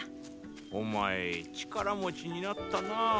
お前力持ちになったなァ。